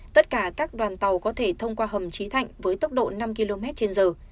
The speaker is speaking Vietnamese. tất cả các đoàn tàu có thể thông qua hầm trí thạnh với tốc độ năm km trên giờ